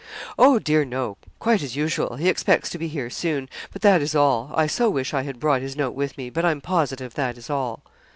'Oh, dear no quite as usual he expects to be here soon; but that is all. I so wish I had brought his note with me; but I'm positive that is all.'